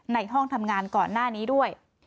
ในห้องทำงานก่อนหน้านี้ด้วย